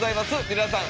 皆さん。